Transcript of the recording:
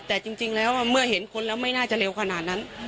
แต่จริงแล้วเมื่อเห็นคนแล้วไม่น่าจะเร็วขนาดนั้น